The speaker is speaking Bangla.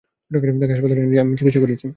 তাকে হাসপাতালে এনে আমি চিকিৎসা করেছি।